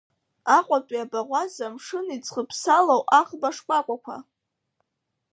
Аҟәатәи абаӷәаза амшын иӡхыԥсалоу аӷба шкәакәақәа…